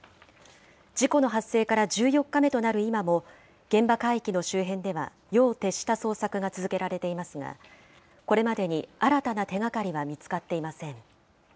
事故の発生から１４日目となる今も、現場海域の周辺では夜を徹した捜索が続けられていますが、これまでに新たな手がかりは見つかっていません。